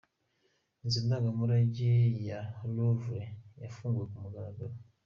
Inzu ndangamurage ya Louvre yafunguwe ku mugaragaro.